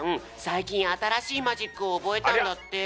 最近あたらしいマジックをおぼえたんだって。